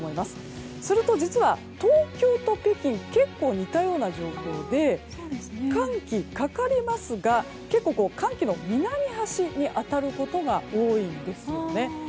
すると実は、東京と北京実は似たような状況で寒気、かかりますが寒気の南端に当たることが多いんですよね。